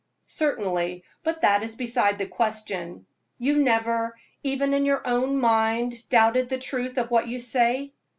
"Certainly; but that is beside the question. You never, even in your own mind, doubted the truth of what you say?"